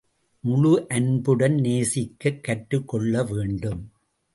முழு அன்புடன் நேசிக்கக் கற்றுக் கொள்ள வேண்டும்.